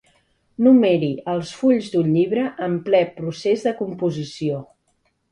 Numeri els fulls d'un llibre en ple procés de composició.